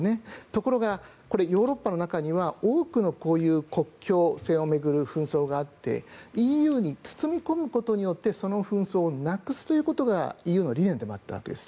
ところが、ヨーロッパの中には多くのこういう国境線を巡る紛争があってＥＵに包み込むことによってその紛争をなくすということがＥＵの理念でもあったわけです。